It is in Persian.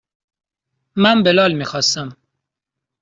من بلال میخواستم.